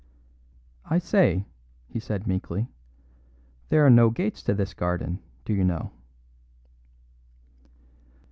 "I say," he said meekly, "there are no gates to this garden, do you know."